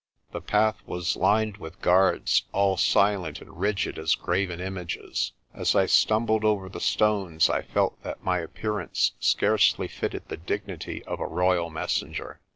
The path was lined with guards, all silent and rigid as graven images. As I stumbled over the stones I felt that my appearance scarcely fitted the dignity of a royal mes senger.